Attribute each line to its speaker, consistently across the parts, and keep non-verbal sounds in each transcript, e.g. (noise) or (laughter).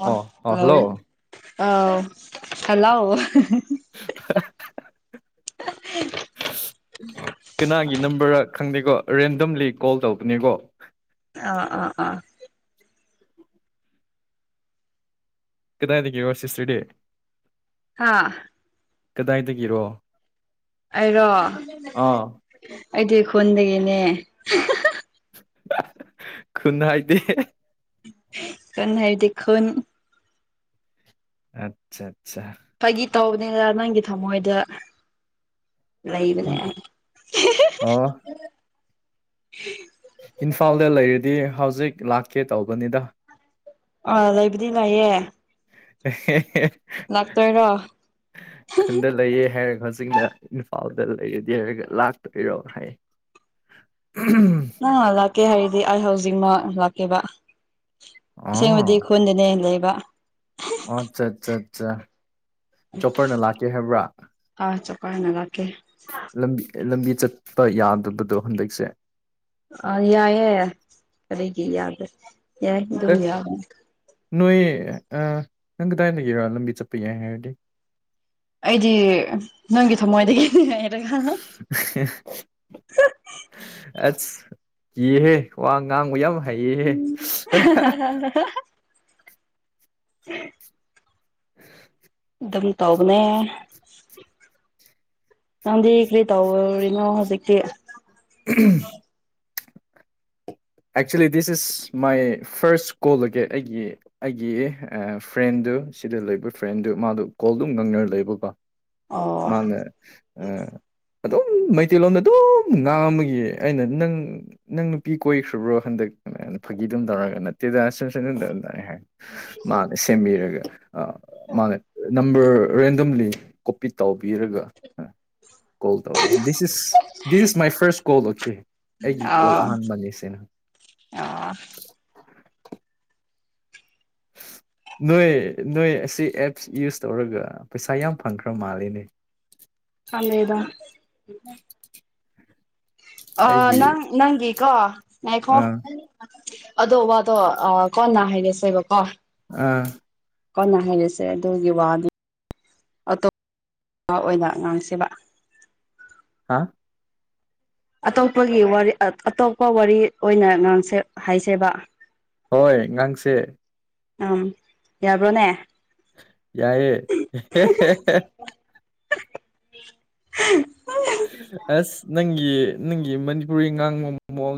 Speaker 1: ꯑꯣ ꯑꯣ
Speaker 2: ꯍꯜꯂꯣ ꯑꯥꯎ ꯍꯂꯣ
Speaker 1: ꯍ ꯀꯅꯥꯒꯤ ꯅꯝꯕꯔ ꯈꯪꯗꯦꯀꯣ ꯔꯦꯟꯗꯝꯂꯤ ꯀꯣꯜ ꯇꯧꯕꯅꯦꯀꯣ
Speaker 2: ꯑꯥ ꯑꯥ ꯑꯥ
Speaker 1: ꯀꯗꯥꯏꯗꯒꯤꯦꯣ ꯁꯤꯇꯦ
Speaker 2: ꯍꯥꯥ
Speaker 1: ꯀꯗꯥꯏꯗꯒꯤꯔꯣ
Speaker 2: ꯑꯩꯔꯣ
Speaker 1: ꯑꯥ
Speaker 2: ꯑꯩꯗꯤ ꯈꯨꯣꯟꯣꯟꯗꯒꯤꯅꯦ
Speaker 1: ꯈꯨꯟꯅ ꯍꯥꯏꯥꯏꯗꯤ
Speaker 2: ꯀ ꯍꯥꯏꯗꯣꯟ
Speaker 1: ꯑꯆꯥ ꯑꯠꯆꯥ
Speaker 2: ꯐꯥꯒꯤ ꯇꯧꯕꯅꯤꯗ ꯅꯪꯒꯤ ꯊꯃꯣꯏꯗ ꯂꯩꯕꯅꯦ
Speaker 1: ꯏꯟ
Speaker 2: ꯑꯩ
Speaker 1: ꯑꯣ ꯏꯝꯐꯥꯜꯗ ꯂꯩꯔꯤꯗꯤ ꯍꯧꯖꯤꯛ ꯂꯥꯛꯀꯦ ꯇꯧꯕꯅꯤꯗ
Speaker 2: ꯑꯥ ꯂꯩꯕꯨꯗꯤ ꯂꯥꯛꯌꯦꯦ
Speaker 1: ꯍ
Speaker 2: ꯂꯥꯛꯇꯣꯏꯔꯣ
Speaker 1: ꯎ ꯈꯟꯗ ꯂꯩꯌꯦ ꯍꯥꯏꯔꯒ ꯍꯧꯖꯤꯛꯅ ꯏꯝꯐꯥꯜꯗ ꯂꯩꯔꯗꯤ ꯍꯥꯏꯔꯒ ꯂꯥꯛꯇꯣꯏꯔꯣ ꯍꯥꯏꯌꯦ ꯎ
Speaker 2: ꯑ ꯂꯥꯛꯀꯦ ꯍꯥꯏꯔꯗꯤ ꯑꯩ ꯍꯧꯖꯤꯛꯃꯛ ꯂꯥꯛꯀꯦꯕ ꯑꯁꯦꯡꯕꯗꯤ ꯈꯣꯟꯗꯅꯦꯅ ꯂꯩꯕ
Speaker 1: ꯑꯣ ꯑꯠꯆꯥ ꯑꯠꯆꯥ ꯑꯠꯆꯥ ꯆꯣꯞꯄꯔꯅ ꯂꯥꯛꯀꯦ ꯍꯥꯏꯕ꯭ꯔꯥ
Speaker 2: ꯑꯥ ꯆꯄꯥꯏꯅꯒꯥꯥꯛꯀꯦ
Speaker 1: ꯂꯝꯕꯤ ꯂꯝꯕꯤ ꯆꯠꯄ ꯌꯥꯗꯕꯗꯣ ꯍꯟꯗꯛꯁꯦ
Speaker 2: ꯑꯥ ꯌꯥꯏꯑꯦ ꯀꯔꯤꯒꯤ ꯌꯥꯗꯦ ꯌꯥꯏ ꯑꯗꯨꯝ ꯌꯥ
Speaker 1: ꯅꯣꯏ ꯅꯪ ꯀꯗꯥꯏꯗꯒꯤꯔꯣ ꯂꯝꯕꯤ ꯆꯠꯄ ꯌꯥꯏ ꯍꯥꯏꯔꯗꯤ
Speaker 2: ꯑꯩꯗꯤ ꯅꯪꯒꯤ ꯊꯃꯣꯏꯗꯒꯤ
Speaker 1: ꯑꯦ ꯑꯁ ꯌꯦꯍꯦ ꯋꯥ ꯉꯥꯡꯕ ꯌꯥꯝ ꯍꯩꯌꯦꯍꯦ
Speaker 2: ꯑꯣ ꯎ
Speaker 1: (inaudible)
Speaker 2: ꯑꯗꯨꯝ ꯇꯧꯕꯅꯦ ꯅꯪꯗꯦ ꯀꯔꯤ ꯇꯋꯥꯔꯤꯅꯣ ꯍꯧꯖꯤꯛꯇ
Speaker 1: um actually this is my first ꯀꯣꯜꯒꯤ ꯑꯩꯒꯤ ꯑꯩꯒꯤ ꯐ꯭ꯔꯦꯟꯗꯨ ꯁꯤꯗ ꯂꯩꯕ ꯐ꯭ꯔꯦꯟꯗꯨ ꯃꯥꯗꯣ ꯀꯣꯜꯗꯨ ꯉꯪꯅꯔ ꯂꯩꯕꯀꯣ
Speaker 2: ꯑꯣ
Speaker 1: ꯃꯥꯉ ꯑꯗꯨꯝ ꯃꯩꯇꯩꯂꯣꯟꯣꯝꯗ ꯑꯗꯨꯝ ꯉꯥꯡꯃꯒ ꯑꯩꯅ ꯅꯪ ꯅꯪ ꯅꯨꯄꯤ ꯀꯣꯏꯈ꯭ꯔꯕ꯭ꯔꯣ ꯍꯟꯗꯛ ꯐꯥꯒꯤꯗꯨꯝ ꯇꯧꯔꯒ ꯅꯠꯇꯦꯗ ꯑ ꯁꯨꯝ ꯁꯗ ꯑꯗꯨꯝ ꯇ ꯍꯥꯏꯔꯦ ꯃꯥꯅꯦ ꯁꯦꯝꯕꯤꯔꯒ ꯑ ꯃꯥꯅ ꯅꯝꯕꯔ ꯔꯦꯟꯗꯝꯂꯤ ꯀꯣꯄꯤ ꯇꯧꯕꯕꯤꯔꯒ ꯀꯣꯜ ꯇꯧꯕ this is this is my first call okay ꯑꯩꯒꯤ ꯀꯣꯜ ꯑꯍꯥꯟꯕꯅꯦꯦ (inaudible)
Speaker 2: ꯑ
Speaker 1: ꯅꯣꯏ ꯅꯣꯏ ꯑꯁꯤ ꯑꯦꯞꯁ ꯌꯨꯁ ꯇꯧꯔꯒ ꯄꯩꯁꯥ ꯌꯥꯝ ꯐꯪꯈ꯭ꯔ ꯃꯥꯜꯂꯦ ꯅꯦ
Speaker 2: ꯑꯗꯦꯗ ꯑ
Speaker 1: ꯑꯩꯒꯤ
Speaker 2: ꯅꯪ ꯅꯪꯒꯤꯀꯣ ꯉꯥꯏꯈꯣ
Speaker 1: ꯑꯥ
Speaker 2: ꯑꯗꯣ ꯋꯥꯗꯣ ꯀꯣꯟꯅ ꯍꯥꯏꯔꯁꯣꯏꯕꯀꯣ
Speaker 1: ꯎꯝ
Speaker 2: ꯀꯅ ꯍꯥꯏꯔꯤꯁꯦ ꯑꯗꯨꯒꯤ ꯋꯥꯗꯨ ꯑꯇꯣꯞꯄ ꯑꯣꯏꯅ ꯉꯥꯡꯁꯦꯕ
Speaker 1: ꯍꯥ
Speaker 2: ꯑꯇꯣꯞꯄꯒꯤ ꯋꯥꯔꯤ ꯑꯇꯣꯞꯄ ꯋꯥꯔꯤ ꯑꯣꯏꯅ ꯉꯥꯡꯁꯦ ꯍꯥꯏꯁꯦꯕ
Speaker 1: ꯍꯣꯏ ꯉꯥꯡꯁꯦ
Speaker 2: ꯑ ꯌꯥꯕ꯭ꯔꯣꯅꯦ
Speaker 1: ꯌꯥꯏꯏꯦ
Speaker 2: (unintelligible)
Speaker 1: ꯑꯁ ꯅꯪꯒꯤ ꯅꯪꯒꯤ ꯃꯅꯤꯄꯨꯔꯤ ꯉꯥꯡꯕꯣꯃꯣ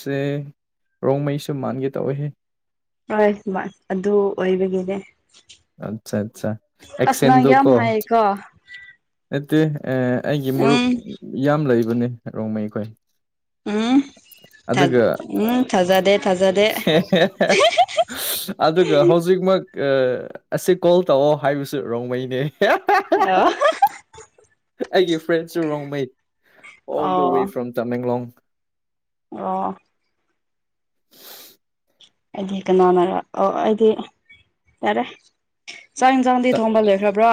Speaker 1: ꯁꯦ ꯔꯣꯡ ꯃꯩꯁꯨ ꯃꯥꯟꯒꯦ ꯇꯧꯏꯦ
Speaker 2: ꯍꯣꯏ ꯑꯗꯨ ꯑꯣꯏꯕꯒꯤꯅꯦ
Speaker 1: ꯑꯠꯆꯥ ꯑꯠꯆꯥ
Speaker 2: ꯑꯁ ꯅꯪ
Speaker 1: ꯑꯦꯛꯁꯦꯟꯗꯨ
Speaker 2: ꯌꯥꯝ
Speaker 1: ꯀꯣ
Speaker 2: ꯍꯥꯏꯌꯦꯀꯣ
Speaker 1: ꯅꯠꯇꯦ ꯑꯩꯒꯤ ꯃꯔꯨꯞ
Speaker 2: ꯎꯝ
Speaker 1: ꯌꯥꯝ ꯂꯩꯕꯅꯦ ꯔꯣꯡꯃꯩ ꯑꯩꯈꯣꯏ ꯑꯗꯨꯒ
Speaker 2: ꯊꯥꯗꯦ ꯊꯖꯥꯗꯦ
Speaker 1: ꯑꯗꯨꯒ ꯍꯧꯖꯤꯛꯃꯛ (unintelligible) ꯑꯁꯤ ꯀꯣꯜ ꯇꯧꯑꯣ ꯍꯥꯏꯕꯁꯨ ꯔꯣꯡꯃꯩꯅꯦ
Speaker 2: ꯍꯜꯂꯣ (unintelligible)
Speaker 1: ꯑꯩꯒꯤ ꯐ꯭ꯔꯦꯟꯁꯨ ꯔꯣꯡꯃꯩ ꯑꯣꯜ ꯗ
Speaker 2: ꯑꯣ
Speaker 1: ꯋꯦ ꯐ꯭ꯔꯣꯝ ꯇꯃꯦꯡꯂꯣꯡ
Speaker 2: ꯑꯣ ꯑꯩꯗꯤ ꯀꯅꯥꯅ ꯑꯣ ꯑꯩꯗꯤ ꯌꯥꯔꯦ ꯆꯥꯛ ꯌꯦꯟꯁꯥꯡꯗꯤ
Speaker 1: ꯇ-
Speaker 2: ꯊꯣꯡꯕ ꯂꯣꯏꯈ꯭ꯔꯕ꯭ꯔꯣ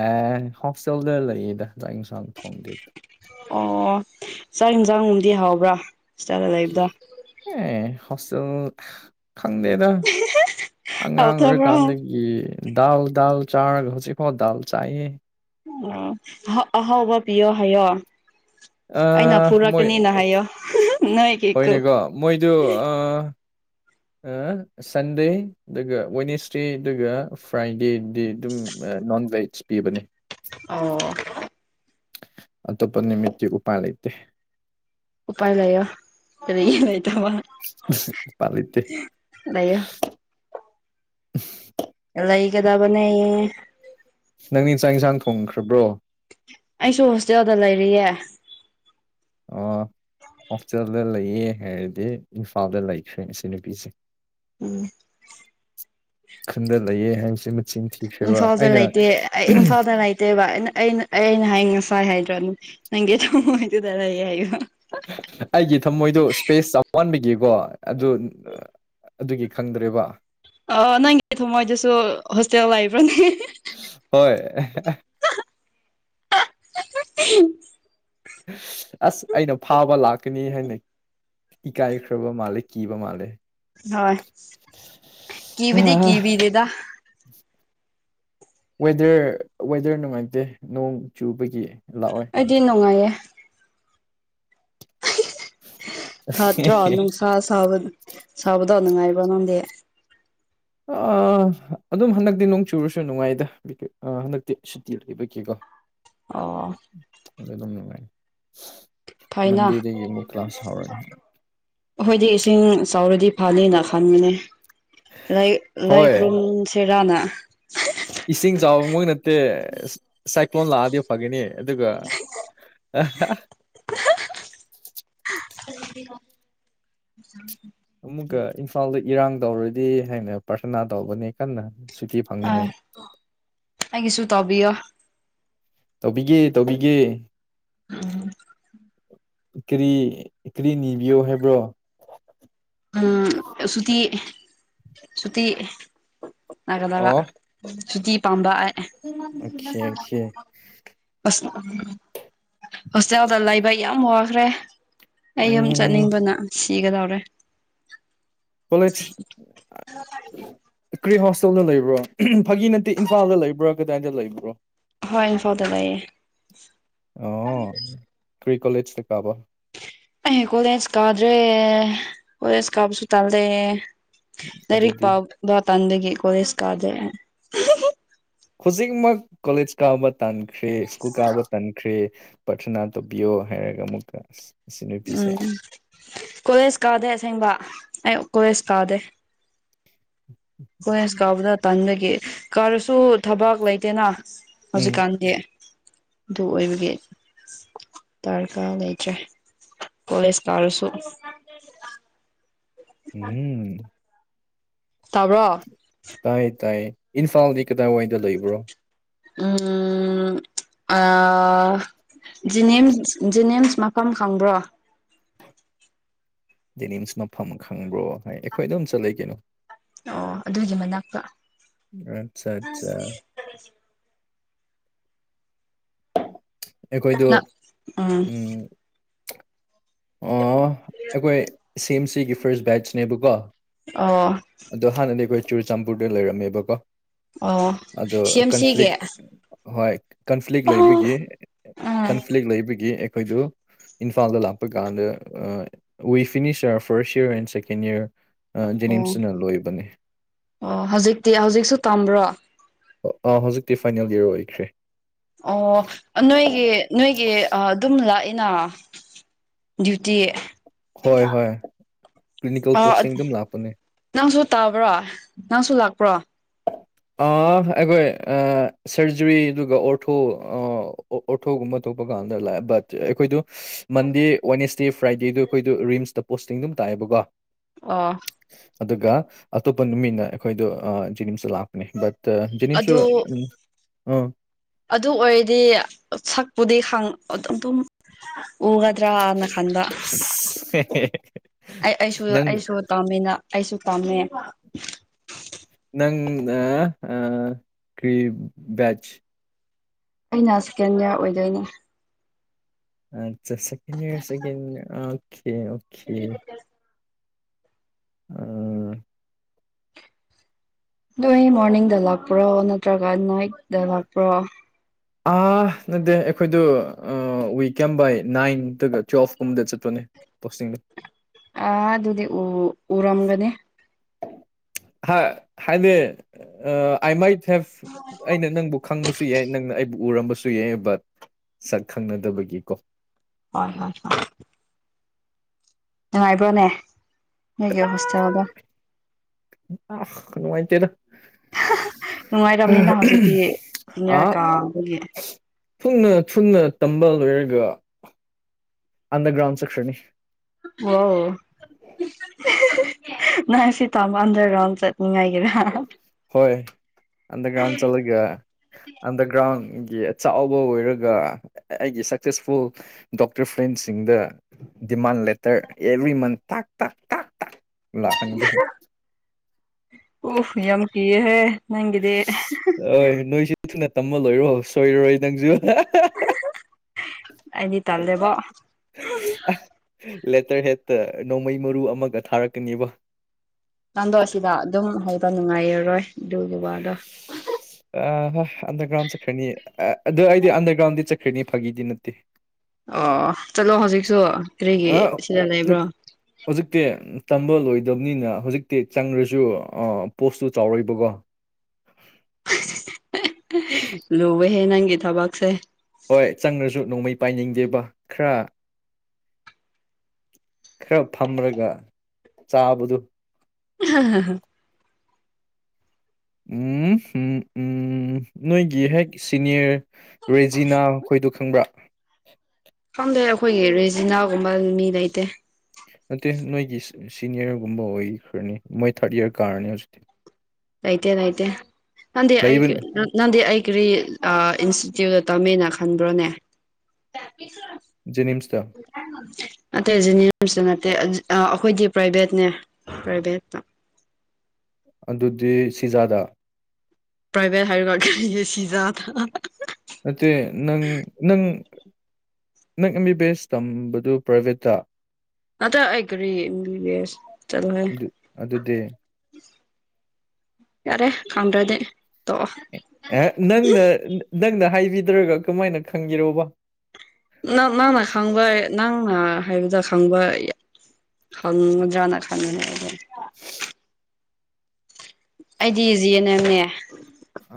Speaker 1: ꯑꯦ ꯍꯣꯁꯇꯦꯜꯗ ꯂꯩꯌꯦꯗ ꯆꯥꯛ ꯌꯦꯟꯁꯥꯡ ꯊꯣꯡꯗꯦꯗ
Speaker 2: ꯑꯣ ꯆꯥꯛ ꯌꯦꯟꯁꯥꯡꯒꯕꯗꯤ ꯍꯥꯎꯕ꯭ꯔꯥ ꯏꯁꯇꯜꯗ ꯂꯩꯕꯗ
Speaker 1: ꯑꯦ ꯍꯣꯁꯇꯦꯜ ꯈꯪꯗꯦꯗ
Speaker 2: ꯑꯣ
Speaker 1: ꯑꯉꯥꯡ
Speaker 2: ꯑꯍꯥꯎ
Speaker 1: ꯑꯣꯏꯔꯀꯥꯟꯗꯒꯤ ꯗ ꯗ ꯆꯥꯔꯁꯤ ꯐꯣ ꯗ ꯆ
Speaker 2: ꯑꯣ ꯑꯍꯥꯎꯕ ꯄꯤꯌꯣ ꯍꯌꯣ
Speaker 1: ꯑ ꯃꯣꯏ
Speaker 2: ꯍꯥꯏꯌꯣ ꯅꯣꯏꯒꯤ ꯀꯨꯛ
Speaker 1: ꯍꯣꯏꯅꯦꯀꯣ ꯃꯣꯏꯗꯨ ꯑ ꯑ ꯁꯟꯗꯦ ꯑꯗꯨꯒ ꯋꯦꯅꯦꯁꯗꯦ ꯑꯗꯨꯒ ꯐ꯭ꯔꯥꯏꯗꯦꯗꯤ ꯑꯗꯨꯝ ꯅꯣꯟ ꯕꯦꯖ ꯄꯤꯕꯅꯦ
Speaker 2: ꯑꯣ
Speaker 1: ꯑ ꯇꯞꯄꯅꯤꯃꯤꯨ ꯎꯄꯥꯥꯏ ꯂꯩꯠꯇꯦ
Speaker 2: ꯎꯄꯥꯏ ꯂꯩꯣ ꯑꯗꯨꯔꯤ ꯌꯦ ꯂꯩꯇꯕ
Speaker 1: ꯄꯂꯤꯇꯦ
Speaker 2: ꯂꯩꯌꯣ ꯂꯩꯒꯗꯕꯅꯦꯌꯦ
Speaker 1: ꯅꯪꯅꯦ ꯏꯟꯁꯥꯛ ꯏꯟꯁꯥꯡ ꯊꯣꯡꯈ꯭ꯔꯕ꯭ꯔꯣ
Speaker 2: ꯑꯩꯁꯨ ꯍꯣꯁꯇꯦꯜꯗ ꯂꯩꯔꯤꯌꯦ
Speaker 1: ꯑꯣ ꯍꯣꯁꯇꯦꯜꯗ ꯂꯩꯌꯦ ꯍꯥꯏꯔꯗꯤ ꯏꯝꯐꯥꯜꯗ ꯂꯩꯈ꯭ꯔꯦ ꯉ ꯁꯤ ꯅꯨꯄꯤꯁꯦ
Speaker 2: ꯎꯝ
Speaker 1: ꯈꯟꯗ ꯂꯩꯌꯦ ꯍꯥꯏꯁ ꯃꯆꯤꯟ ꯊꯤꯈ꯭ꯔꯦꯕ ꯑꯩꯅ
Speaker 2: ꯏꯝꯐꯥꯜꯁꯥꯏꯇ ꯏꯟꯐꯥꯜ ꯂꯩꯇꯦꯕ ꯑꯩꯅ ꯑꯩꯅ ꯑꯩꯅ ꯍꯥꯏ ꯉꯁꯥꯏ ꯍꯥꯏꯗ꯭ꯔꯣ ꯅꯪꯒꯤ ꯊꯃꯉꯗꯨꯗ ꯂꯩꯑ ꯍꯥꯏꯣ
Speaker 1: ꯑꯩꯒꯤ ꯊꯝꯃꯣꯏꯗꯣ ꯁꯄꯦꯁ ꯋꯥꯟ ꯋꯤꯛꯀꯤꯀꯣ ꯑꯗꯨ ꯑꯗꯨꯒꯤ ꯈꯪꯗ꯭ꯔꯦꯕ
Speaker 2: ꯑ ꯅꯪꯒꯤ ꯊꯃꯣꯏꯗꯁꯨ ꯍꯣꯁꯇꯦꯜ ꯂꯩꯕ꯭ꯔꯅꯦ
Speaker 1: ꯍꯣꯏ
Speaker 2: (unintelligible)
Speaker 1: ꯑꯁ ꯑꯩꯅ ꯐꯥꯕ ꯂꯥꯛꯀꯅꯤ ꯍꯥꯏꯅꯩ ꯏꯀꯥꯏꯈ꯭ꯔꯕ ꯃꯥꯜꯂꯦ ꯀꯤꯕ ꯃꯥꯜꯂꯦ
Speaker 2: ꯍꯣꯏ ꯀꯕꯤꯗꯤ ꯀꯕꯤꯗꯦꯗ
Speaker 1: ꯋꯦꯗꯔ ꯋꯦꯗꯔ ꯅꯨꯡꯉꯥꯏꯇꯦ ꯅꯣꯡ ꯆꯨꯕꯒꯤ ꯂꯥꯛꯑꯣꯏ
Speaker 2: ꯍꯥꯏꯗꯤ ꯅꯨꯡꯉꯥꯏꯌꯦ ꯊ ꯊꯅꯅꯨꯡꯁꯥ ꯁꯕ ꯁꯕꯗꯅꯅꯨꯡꯉꯥꯏꯕꯅꯥꯗꯦ
Speaker 1: ꯑꯗꯨꯝ ꯍꯟꯗꯛꯇꯤ ꯅꯣꯡ ꯆꯨꯔꯨꯁꯨ ꯅꯨꯡꯉꯥꯏꯗ ꯍꯟꯗꯛꯇꯤ ꯁꯇꯤ ꯂꯩꯕ ꯀꯦꯒꯣ
Speaker 2: ꯑꯣ
Speaker 1: ꯑꯗꯨꯖ ꯑꯗꯨꯝ ꯅꯨꯡꯉꯥꯏ
Speaker 2: ꯊꯥꯏꯅꯥ
Speaker 1: ꯃꯟꯗꯦꯗꯒꯤ ꯑꯃꯨꯛ ꯀ꯭ꯂꯥꯁ ꯍꯧꯔꯅꯤ
Speaker 2: ꯑꯩꯈꯣꯏꯗꯤ ꯏꯁꯤꯡ ꯆꯥꯎꯔꯗꯤ ꯐꯅꯤꯅ ꯈꯟꯒꯅꯤ ꯂꯥꯏ
Speaker 1: ꯍꯣꯏ
Speaker 2: ꯂꯥꯏꯈꯂꯣꯁꯦ ꯔꯅꯥ
Speaker 1: ꯏꯁꯤꯡ ꯆꯥꯎꯕ ꯃ ꯅꯠꯇꯦ ꯂꯣꯟ ꯂꯥꯛꯑꯗꯤ ꯐꯒꯅꯤ ꯑꯗꯨꯒ
Speaker 2: ꯎꯝ (unintelligible)
Speaker 1: ꯑꯃꯨꯛꯀ ꯏꯝꯐꯥꯜꯗ ꯏꯔꯥꯡ ꯇꯧꯔꯗꯤ ꯍꯥꯏꯅ ꯄ꯭ꯔꯊꯅꯥ ꯇꯧꯕꯅꯦ ꯀꯟꯅ ꯁꯨꯇꯤ
Speaker 2: ꯑꯥ
Speaker 1: ꯐꯪꯅꯤꯡꯉꯩ
Speaker 2: ꯑꯩꯒꯤꯁꯨ ꯇꯧꯕꯕꯤꯌꯣ
Speaker 1: ꯇꯧꯕꯤꯒꯦ ꯇꯧꯕꯤꯒꯦ
Speaker 2: ꯎꯝ
Speaker 1: ꯀꯔꯤ ꯀꯔꯤ ꯅꯤꯕꯤꯌꯣ ꯍꯥꯏꯕ꯭ꯔꯣ
Speaker 2: ꯎꯝ ꯁꯨꯇ ꯁꯨꯇ ꯂꯒꯗꯕ
Speaker 1: ꯑꯣ
Speaker 2: ꯁꯨꯇꯤ ꯄꯥꯝꯕ ꯑꯦ
Speaker 1: ꯑꯣꯀꯦ ꯑꯣꯀꯦ
Speaker 2: ꯍꯣꯁꯇꯦꯜꯗ ꯂꯩꯕ ꯌꯥꯝ ꯋꯥꯈ꯭ꯔꯦ ꯑꯩ ꯌꯨꯝ
Speaker 1: ꯎꯝ
Speaker 2: ꯆꯠꯅꯤꯡꯕꯅ ꯁꯤꯒꯗꯧꯔꯦ
Speaker 1: ꯀꯣꯂꯦꯖ ꯀ꯭ꯔꯤ ꯍꯣꯁꯇꯦꯜꯅ ꯂꯩꯕ꯭ꯔꯣ ꯐꯥꯒꯤ ꯅꯠꯇꯦ ꯏꯝꯐꯥꯜꯗ ꯂꯩꯕ꯭ꯔꯥ ꯀꯗꯥꯏꯗ ꯂꯩꯕ꯭ꯔꯣ
Speaker 2: ꯍꯣꯏ ꯏꯝꯐꯥꯎꯗ ꯂꯩꯑꯌꯦ
Speaker 1: ꯑꯣ ꯀꯔꯤ ꯀꯂꯦꯖ ꯇ ꯀꯥꯕ
Speaker 2: ꯑ ꯀꯣꯜꯦꯁ ꯀꯗ꯭ꯔꯦ ꯀꯗꯦꯁ ꯀꯥꯕꯁꯨꯠꯜꯗꯦ ꯗꯔꯤꯛ
Speaker 1: ꯑꯗꯨꯗꯤ
Speaker 2: ꯄꯥꯎ ꯇꯗꯗꯒꯤ ꯀꯣꯏꯁꯀꯥꯗꯦ
Speaker 1: ꯍꯧꯖꯤꯛꯃꯛ ꯀꯣꯂꯦꯖ ꯀꯥꯕ ꯇꯥꯟꯈ꯭ꯔꯦ ꯁ꯭ꯀꯨꯜ ꯀꯥꯕ ꯇꯥꯟꯈ꯭ꯔꯦ ꯄꯔꯊꯅꯥ ꯇꯧꯕꯤꯌꯣ ꯍꯥꯏꯔꯒ ꯑꯃꯨꯛꯀ ꯑꯁ
Speaker 2: ꯎꯝ ꯀꯣꯋꯦꯁ ꯀꯥꯗꯦ ꯑꯁꯦꯡꯕ ꯑꯩ ꯀꯣꯋꯦꯁ ꯀꯥꯗꯦ ꯍꯣꯏ ꯑꯁ ꯀꯥꯕꯨꯗ ꯇꯥꯟꯕꯒꯦ ꯀꯥꯔꯁꯨ ꯊꯕꯥꯛ ꯂꯩꯇꯦꯅ
Speaker 1: ꯎꯝ
Speaker 2: ꯍꯧꯖꯤꯛꯀꯥꯟꯗꯤ ꯑꯗꯨ ꯑꯣꯏꯕꯒꯤ ꯗꯔꯀꯥꯔ ꯂꯩꯇ꯭ꯔꯦ ꯀꯣꯂꯦꯖ ꯀꯥꯔꯁꯨ
Speaker 1: ꯎꯝ
Speaker 2: ꯇꯥꯕ꯭ꯔꯣ
Speaker 1: ꯇꯥꯏ ꯇꯥꯏꯌꯦ ꯏꯝꯐꯥꯜꯗꯤ ꯀꯗꯥꯏꯋꯥꯏꯗ ꯂꯩꯕ꯭ꯔꯣ
Speaker 2: ꯎꯝ ꯑ ꯖꯤꯅꯤꯝꯁ ꯖꯤꯅꯤꯝꯁ ꯃꯐꯝ ꯈꯪꯕ꯭ꯔꯣ
Speaker 1: ꯖꯦꯅꯤꯝꯁ ꯃꯐꯝ ꯈꯪꯕ꯭ꯔꯣ ꯍꯥꯏ ꯑꯩꯈꯣꯏ ꯑꯗꯨꯝ ꯆꯠꯂ ꯀꯩꯅꯣ
Speaker 2: ꯑꯣ ꯑꯗꯨꯒꯤ ꯃꯅꯥꯛꯇ
Speaker 1: ꯑꯆꯥ ꯑꯆꯥ
Speaker 2: ꯐ
Speaker 1: ꯑꯩꯈꯣꯏꯗꯣ
Speaker 2: ꯅꯛ ꯎꯝ
Speaker 1: ꯎ ꯑꯣ ꯑꯩꯈꯣꯏ ꯁꯤ ꯑꯦꯝ ꯁꯤꯒꯤ ꯐꯔꯁ ꯕꯦꯠꯆꯅꯦꯕꯀꯣ
Speaker 2: ꯑꯣ
Speaker 1: ꯑꯗꯣ ꯍꯥꯟꯅꯗꯤ ꯑꯩꯈꯣꯏ ꯆꯨꯔꯆꯥꯟꯄꯨꯔꯗ ꯂꯩꯔꯝꯃꯦꯕꯀꯣ
Speaker 2: ꯑꯣ
Speaker 1: ꯑꯗꯣ
Speaker 2: ꯁꯤ ꯑꯦꯝ
Speaker 1: ꯀꯟꯐ꯭ꯂꯤꯛ
Speaker 2: ꯁꯤꯒꯤ
Speaker 1: ꯍꯣꯏ ꯀꯟꯐ꯭ꯂꯤꯛ
Speaker 2: ꯎꯝ
Speaker 1: ꯂꯩꯣꯏꯕꯒꯤ
Speaker 2: ꯑꯣ
Speaker 1: ꯀꯟꯐ꯭ꯂꯤꯛ ꯂꯩꯕꯒꯤ ꯑꯩꯈꯣꯏꯗꯨ ꯏꯝꯐꯥꯜꯗ ꯂꯥꯛꯄ ꯆꯠꯄ ꯀꯥꯟꯗ we finish our first year and second year ꯑ ꯖꯅꯤꯝꯁꯅ ꯂꯣꯣꯏꯕꯅꯤ
Speaker 2: ꯑꯣ ꯍꯧꯖꯤꯛꯇꯤ ꯍꯧꯖꯤꯛꯁꯨ ꯇꯝꯕ꯭ꯔꯣ
Speaker 1: ꯑꯥ ꯍꯧꯖꯤꯛꯇꯤ ꯐꯥꯏꯅꯦꯜ ꯌꯌꯔ ꯑꯣꯏꯈ꯭ꯔꯦ
Speaker 2: ꯑꯣ ꯅꯣꯏꯒꯤ ꯅꯣꯏꯒꯤ ꯑꯗꯨꯝ ꯂꯥꯛꯏꯅ ꯗ꯭ꯌꯨꯇꯤ
Speaker 1: ꯍꯣꯏ ꯍꯣꯏ ꯀ꯭ꯂꯤꯅꯤꯀꯦꯜ
Speaker 2: ꯑꯣ
Speaker 1: ꯄꯣꯁꯇꯤꯡ ꯑꯗꯨꯝ ꯂꯥꯛꯄꯅꯦ
Speaker 2: ꯅꯪꯁꯨ ꯇꯥꯕ꯭ꯔꯣ ꯅꯪꯁꯨ ꯂꯥꯛꯄ꯭ꯔꯣ
Speaker 1: ꯑꯥ ꯑꯩꯈꯣꯏ ꯁꯔꯖꯔꯤ ꯑꯗꯨꯒ ꯑꯣꯔꯊꯣ ꯑꯣꯊꯣꯒꯨꯝꯕ ꯊꯣꯛꯄ ꯀꯥꯟꯗ ꯂꯥꯛꯑꯦ ꯕꯠ ꯑꯩꯈꯣꯏꯗꯣ ꯃꯟꯗꯦ ꯋꯥꯦꯅꯦꯁꯗꯦ ꯐ꯭ꯔꯥꯏꯗꯦꯗ ꯑꯩꯈꯣꯏꯗ ꯔꯤꯝꯁꯇ ꯄꯣꯁꯇꯤꯡꯗꯨꯝ ꯇꯥꯛꯑꯦꯕꯀꯣ
Speaker 2: ꯑꯣ
Speaker 1: ꯑꯗꯨꯒ ꯑꯇꯣꯞꯄ ꯅꯨꯃꯤꯠꯅ ꯑꯩꯈꯣꯏꯗꯣ ꯖꯤꯅꯤꯝꯁꯇ ꯂꯥꯛꯄꯅꯦ ꯕꯠ ꯅꯤꯝꯁꯨ
Speaker 2: ꯑꯗꯨ
Speaker 1: ꯎꯝ
Speaker 2: ꯑꯗꯨ ꯑꯣꯏꯔꯗꯤ ꯁꯛꯄꯨꯗꯤ ꯑꯗꯨꯝ ꯑꯗꯨꯝ ꯎꯒꯗ꯭ꯔꯅ ꯈꯟꯕ ꯑꯩ ꯑꯩꯁꯨ
Speaker 1: ꯅꯪ
Speaker 2: ꯑꯩꯁꯨ ꯄꯥꯝꯃꯤꯅ ꯑꯩꯁꯨ ꯄꯥꯝꯃꯦ
Speaker 1: ꯅꯪ ꯀ꯭ꯔꯤꯕꯦꯖ
Speaker 2: ꯑꯩꯅ ꯁꯦꯀꯦꯟ ꯏꯌꯥꯔ ꯑꯣꯏꯗꯣꯏꯅꯦ
Speaker 1: ꯑꯆꯥ ꯁꯦꯀ ꯏꯔ ꯁꯦꯀꯀꯦ ꯑꯣꯀꯦ ꯎ
Speaker 2: ꯑꯣ ꯑꯩ ꯃꯣꯔꯅꯤꯡꯗ ꯂꯥꯛꯄ꯭ꯔꯣ ꯅꯠꯇ꯭ꯔꯒ ꯅꯥꯏꯠꯇꯗ ꯂꯥꯛꯄ꯭ꯔꯣ
Speaker 1: ꯑꯥ ꯅꯗꯦ ꯑꯩꯈꯣꯏꯗ ꯋꯤ ꯀꯦꯝ ꯕꯥꯏ ꯅꯥꯏꯟ ꯗꯒ ꯇ꯭ꯋꯦꯜꯐꯀꯨꯝꯕꯗ ꯆꯠꯄꯅꯦ ꯇꯁꯤꯡꯅ
Speaker 2: ꯑ ꯑꯗꯨꯗꯤ ꯎ ꯎꯔꯝꯒꯅꯤ
Speaker 1: ꯍꯥꯏꯗꯤ ꯑꯥꯏ ꯃꯥꯏꯠ ꯍꯦꯚ ꯑꯩꯅ ꯅꯪꯕꯨ ꯈꯪꯕꯁꯨ ꯌꯥꯏ ꯅꯪꯅ ꯑꯩꯕꯨ ꯎꯔꯝꯕꯁꯨ ꯌꯥꯏ ꯕꯠ ꯁꯛ ꯈꯪꯅꯗꯕꯒꯤ ꯀꯣ
Speaker 2: ꯍꯣꯏ ꯍꯣꯏ ꯍꯣꯏ ꯅꯨꯡꯉꯥꯏꯕ꯭ꯔꯅꯦ ꯅꯣꯏꯒꯤ ꯍꯣꯁꯇꯦꯜꯗ
Speaker 1: ꯑ ꯀꯩꯅꯉꯥꯏꯇꯦꯔ
Speaker 2: ꯅꯨꯡꯉꯥꯏꯔꯝꯅꯤꯅ ꯍꯧꯖꯤꯛꯇꯤ ꯅꯤꯌꯥꯔ
Speaker 1: ꯑꯥ
Speaker 2: ꯀꯒꯤ
Speaker 1: ꯊꯨꯅ ꯊꯨꯅ ꯇꯝꯕ ꯂꯣꯏꯔꯒ ꯑꯟꯗ ꯭ꯔꯥꯎꯟꯁ ꯀ꯭ꯅꯤ
Speaker 2: ꯑꯣ ꯅꯔꯁꯤ ꯇ ꯑꯃ ꯑꯟꯗꯔ ꯔꯥꯎ ꯆ ꯅꯤꯡꯉꯥꯏꯏꯒꯔ
Speaker 1: ꯍꯣꯏ ꯑꯟꯗꯔꯒ꯭ꯔꯥꯎꯟ ꯆꯠꯂꯒ ꯑꯟꯗꯔꯒ꯭ꯔꯥꯎꯟꯒꯤ ꯆꯥꯎꯕ ꯑꯣꯏꯔꯒ ꯑꯩꯒꯤ ꯁꯛꯁꯦꯁꯐꯨꯜ ꯗꯣꯛꯇꯔ ꯐ꯭ꯔꯦꯟꯁꯤꯡꯗ ꯗꯤꯃꯥꯟ ꯂꯦꯇꯔ ꯑꯦꯕ꯭ꯔꯤ ꯃꯟ ꯂꯥꯛꯒꯦꯦ
Speaker 2: ꯑꯣ ꯌꯥꯝ ꯀꯤꯌꯦꯦꯍꯦ ꯅꯪꯒꯤꯗꯤ
Speaker 1: ꯍꯣꯏ ꯅꯣꯏꯁꯤ ꯊꯨꯅ ꯇꯃ ꯂꯣꯏꯔꯣ ꯁꯣꯏꯔꯔꯣꯏ ꯅꯪꯁꯨ
Speaker 2: ꯑꯩꯗꯤ ꯇꯝꯗꯦꯕꯣ
Speaker 1: ꯂꯦꯇꯔ ꯍꯦꯠꯇ ꯅꯣꯡꯃꯩ ꯃꯔꯨ ꯑꯃꯒ ꯊꯥꯔꯛꯀꯅꯤꯕ
Speaker 2: ꯆꯥꯟꯗꯣꯛ ꯑꯁꯤꯗ ꯑꯗꯨꯝ ꯍꯩꯕ ꯅꯨꯡꯉꯥꯏꯔꯔꯣꯏ ꯑꯗꯨꯒꯤ ꯋꯥꯗꯣ
Speaker 1: ꯑ ꯍꯣꯏ ꯑꯟꯗꯔꯒ꯭ꯔꯥꯎꯟ ꯆꯠꯈ꯭ꯔꯅꯤ ꯑꯗꯨꯗꯣ ꯑꯩꯗꯤ ꯑꯟꯗꯔꯒ꯭ꯔꯥꯎꯟꯗꯤ ꯆꯠꯈ꯭ꯔꯅꯤ ꯐꯥꯒꯤꯗꯤ ꯅꯠꯇꯦ
Speaker 2: ꯑꯣ ꯆꯠꯂꯣ ꯍꯧꯖꯤꯛꯁꯨ ꯀꯔꯤꯒꯤ
Speaker 1: ꯑ
Speaker 2: ꯁꯤꯗ ꯂꯩꯕ꯭ꯔꯣ
Speaker 1: ꯍꯧꯖꯤꯛꯇꯤ ꯇꯝꯕ ꯂꯣꯏꯗꯕꯅꯤꯅ ꯍꯧꯖꯤꯛꯇꯤ ꯆꯪꯈ꯭ꯔꯁꯨ ꯄꯣꯁꯇꯨ ꯆꯥꯎꯔꯛꯏꯕꯀꯣ
Speaker 2: ꯂꯨꯕꯦꯍꯦ ꯅꯪꯒꯤ ꯊꯕꯛꯁꯦ
Speaker 1: ꯍꯣꯏ ꯆꯪ꯭ꯔꯁꯨ ꯅꯣꯡꯃꯩ ꯄꯥꯏꯅꯤꯡꯗꯦꯕ ꯈꯔ ꯈꯔ ꯐꯝꯔꯒ ꯆꯥꯕꯗꯨ
Speaker 2: ꯍꯥ
Speaker 1: ꯎꯝ ꯎꯝ ꯎꯝ ꯅꯣꯏꯒꯤ ꯍꯦꯛ ꯁꯤꯅꯤꯌꯔ ꯔꯦꯖꯤꯅꯥ ꯃꯈꯣꯏꯗꯨ ꯈꯪꯕ꯭ꯔꯥ
Speaker 2: ꯐꯝꯗꯤꯩ ꯑꯩꯈꯣꯏꯒꯤ ꯔꯦꯖꯤꯅꯥꯒꯨꯝꯕ ꯃꯤ ꯂꯩꯇꯦ
Speaker 1: ꯅꯠꯇꯦ ꯅꯣꯏꯒꯤ ꯁꯤꯅꯤꯌꯔꯒꯨꯝꯕ ꯑꯣꯏꯈ꯭ꯔꯅꯤ ꯃꯣꯏ ꯊꯥꯔꯠ ꯌꯔ ꯀꯥꯔꯅꯤ ꯍꯧꯖꯤꯛꯇꯤ
Speaker 2: ꯑꯥꯏꯇ ꯑꯗꯥꯏꯇ ꯅꯗꯦ
Speaker 1: ꯂꯩꯕꯅꯦ
Speaker 2: ꯅꯪꯗꯤ ꯑꯩ ꯀꯔꯤ ꯏꯟꯁꯇꯤꯇ꯭ꯌꯨꯠꯇ ꯇꯝꯃꯦꯅ ꯈꯟꯕ꯭ꯔꯣꯅꯦ
Speaker 1: ꯖꯦꯅꯤꯝꯁꯇ
Speaker 2: ꯑꯇꯩ ꯖꯤꯅꯤꯝꯁꯨ ꯅꯠꯇꯦ ꯑꯩꯈꯣꯏꯗꯤ ꯄ꯭ꯔꯥꯏꯚꯦꯠꯅꯦ ꯄ꯭ꯔꯥꯏꯚꯦꯠꯇ
Speaker 1: ꯑꯗꯨꯗꯤ ꯁꯤꯖꯥꯗ
Speaker 2: ꯄ꯭ꯔꯥꯏꯚꯦꯠ ꯍꯥꯏꯔꯒ ꯌꯦ ꯁꯤꯖꯥ
Speaker 1: ꯑ ꯅꯪ ꯅꯪ ꯅꯪ ꯑꯦꯝ ꯕꯤ ꯕꯤ ꯑꯦꯁ ꯇꯝꯕꯗꯨ ꯄ꯭ꯔꯥꯏꯚꯦꯠꯇ
Speaker 2: ꯑꯗ ꯑꯩꯈꯔꯤ ꯆꯂꯣ ꯍꯥꯏ
Speaker 1: ꯑꯗꯨ ꯑꯗꯨꯗꯤ
Speaker 2: ꯌꯥꯔꯦ ꯈꯪꯗ꯭ꯔꯗꯤ ꯇꯣꯛꯑꯣ
Speaker 1: ꯑꯦ ꯅꯪꯅ ꯅꯪꯅ ꯍꯥꯏꯕꯤꯗ꯭ꯔꯒ ꯀꯃꯥꯏꯅ ꯈꯪꯒꯦꯔꯣꯕ
Speaker 2: ꯅꯪ ꯅꯪꯅ ꯈꯪꯕ ꯅꯪꯅ ꯍꯥꯏꯕꯗ ꯈꯪꯕ ꯈꯪꯉꯨꯗ꯭ꯔꯥꯅ ꯈꯟꯕꯅꯦ ꯑꯩꯗꯤ
Speaker 1: (inaudible)
Speaker 2: ꯑꯩꯗꯤ ꯖꯤ ꯑꯦꯟ ꯑꯦꯝꯃꯦ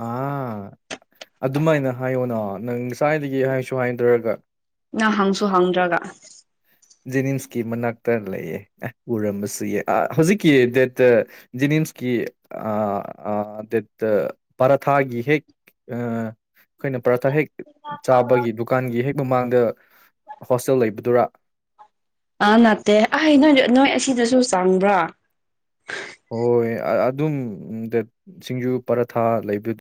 Speaker 1: ꯑꯥ ꯑꯗꯨꯃꯥꯏꯅ ꯍꯥꯏꯌꯣꯅ ꯅꯪ ꯉꯁꯥꯏꯗꯒꯤ ꯍꯥꯏꯁꯨ ꯍꯥꯏꯗ꯭ꯔꯒ
Speaker 2: ꯅꯪ ꯍꯪꯁꯨ ꯍꯪꯗ꯭ꯔꯒ
Speaker 1: ꯖꯦꯅꯤꯝꯁꯀꯤ ꯃꯅꯥꯛꯇ ꯂꯩꯌꯦ ꯎꯔꯝꯕꯁꯨ ꯌꯥ ꯍꯧꯖꯤꯛꯀꯤ ꯗꯦꯠꯇ ꯖꯤꯅꯤꯝꯁꯀꯤ ꯒꯦꯠꯇ ꯄꯥꯔꯊꯥꯒꯤ ꯍꯦꯛ ꯑ ꯑꯩꯈꯣꯏꯅ ꯄꯔꯥꯊ ꯍꯦꯛ ꯆꯥꯕꯒꯤ ꯗꯨꯀꯥꯟꯒꯤ ꯍꯦꯛ ꯃꯃꯥꯡꯗ ꯍꯣꯁꯇꯦꯜ ꯂꯩꯕꯗꯨꯔꯥ
Speaker 2: ꯑꯥ ꯅꯠꯇꯦ ꯑꯥꯢ ꯅꯣꯏ ꯅꯣꯏ ꯑꯁꯤꯗꯁꯨ ꯆꯪꯕ꯭ꯔꯥ
Speaker 1: ꯍꯣꯏ ꯑꯗꯨꯝ ꯗ ꯁꯤꯡꯖꯨ ꯄꯔꯥꯊ ꯂꯩꯕꯗ